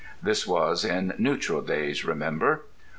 (This was in neutral days, remember.)